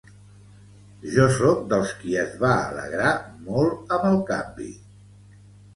Jo sóc dels qui es va alegrar molt amb el canvi.